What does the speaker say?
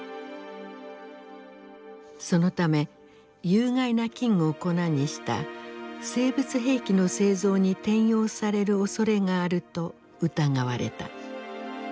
そのため有害な菌を粉にした生物兵器の製造に転用されるおそれがあると疑われた。